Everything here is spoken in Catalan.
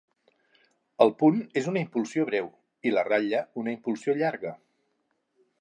El punt és una impulsió breu i la ratlla una impulsió llarga.